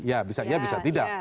ya bisa iya bisa tidak